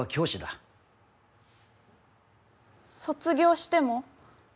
卒業しても？